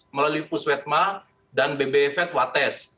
melalui puswetma dan bbefet wates